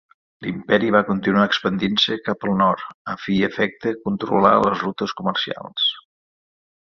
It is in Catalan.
L'imperi va continuar expandint-se cap al nord, a fi i efecte controlar les rutes comercials.